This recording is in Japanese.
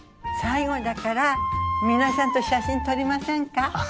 最後だから皆さんと写真撮りませんか？